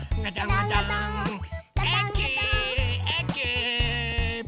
えきえき。